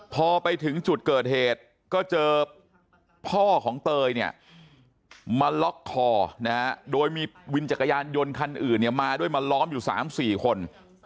พอไปถึงจุดเกิดเหตุก็เจอพ่อของเตยเนี่ยมาล็อกคอนะฮะโดยมีวินจักรยานยนต์คันอื่นเนี่ยมาด้วยมาล้อมอยู่๓๔คน